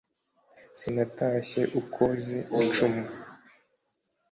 sinatashye ukoze icumu